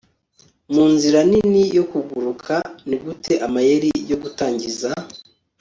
munzira nini yo kuguruka. nigute amayeri yo gutangiza